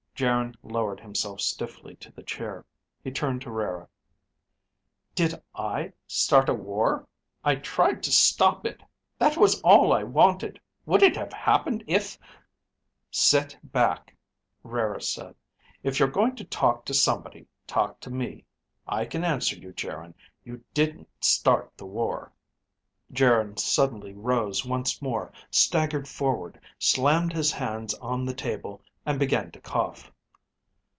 Geryn lowered himself stiffly to the chair. He turned to Rara. "Did I start a war? I tried to stop it. That was all I wanted. Would it have happened if ..." "Sit back," Rara said. "If you're going to talk to somebody, talk to me. I can answer you. Geryn, you didn't start the war." Geryn suddenly rose once more, staggered forward, slammed his hands on the table and began to cough.